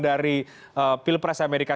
dari pilpres amerika